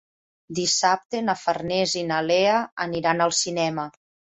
Dissabte na Farners i na Lea aniran al cinema.